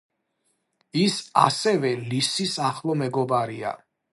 ის ასევე ლისის ახლო მეგობარია.